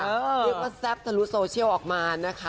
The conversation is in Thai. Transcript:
เรียกว่าแซ่บทะลุโซเชียลออกมานะคะ